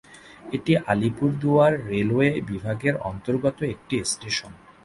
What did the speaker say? এটি আলিপুরদুয়ার রেলওয়ে বিভাগের অন্তর্গত একটি স্টেশন।